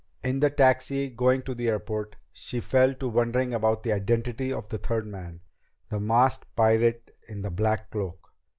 In the taxi going to the airport, she fell to wondering about the identity of the third man, the masked pirate in the black cloak.